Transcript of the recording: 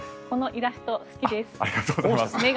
このイラスト、好きです。